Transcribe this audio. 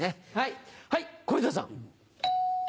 はい小遊三さん。